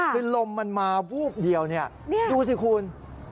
คือลมมันมาวูบเดียวเนี่ยดูสิคุณ